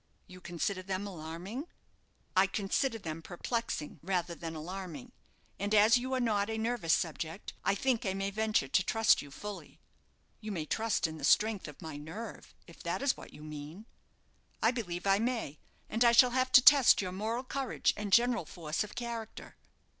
"You consider them alarming?" "I consider them perplexing, rather than alarming. And as you are not a nervous subject I think I may venture to trust you fully." "You may trust in the strength of my nerve, if that is what you mean." "I believe I may, and I shall have to test your moral courage and general force of character."